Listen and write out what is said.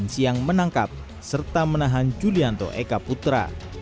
serta menahan julianto eka putra